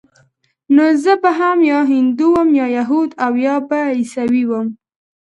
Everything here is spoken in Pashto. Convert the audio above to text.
نو زه به هم يا هندو وم يا يهود او يا به عيسوى وم.